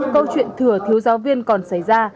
câu chuyện thừa thiếu giáo viên còn xảy ra